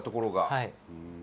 はい。